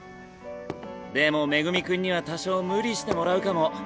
でも恵君には多少無理してもらうかも。